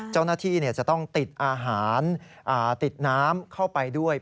เจ้าหน้าที่จะต้องติดอาหารติดน้ำเข้าไปด้วย